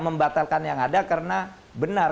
membatalkan yang ada karena benar